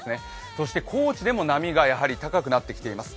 そして高知でもやはり波が高くなってきています。